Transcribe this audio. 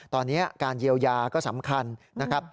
ตอนนี้การเยียวยาก็สำคัญนะครับ